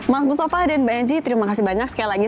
mas mustafa dan mbak eji terima kasih banyak sekali lagi